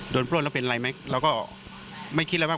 โดนโพล่นแล้วเป็นอะไรไหมเราก็ไม่คิดอะไรมาก